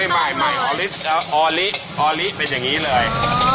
ใหม่ออลิออลิเป็นอย่างนี้เลย